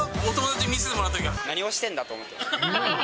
最初、何をしてんだと思って。